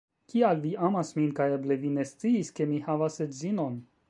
Kial vi amas min kaj eble vi ne sciis ke mi havas edzinon